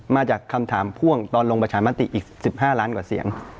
มาจากคำถามพ่วงตอนลงประชามติอีก๑๕ล้านกว่าเสียง